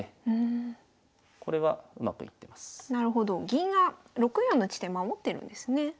銀が６四の地点守ってるんですね。